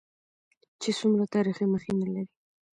چې څومره تاريخي مخينه لري.